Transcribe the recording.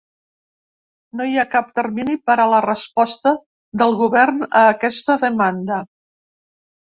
No hi ha cap termini per a la resposta del govern a aquesta demanda.